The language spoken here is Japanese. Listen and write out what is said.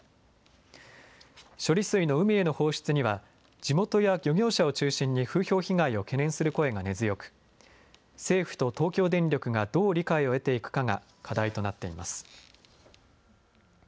処理水の海への放出には地元や漁業者を中心に風評被害を懸念する声が根強く、政府と東京電力がどう理解を得ていくかが課題となっています。